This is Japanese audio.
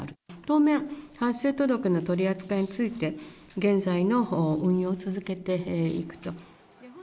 当面、発生届の取り扱いについて、現在の運用を続けていくと。